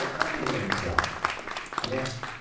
みっちゃん。ね。